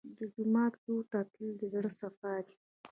د جومات لور ته تلل د زړه صفا ده.